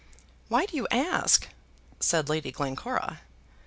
"Why do you ask?" said Lady Glencora.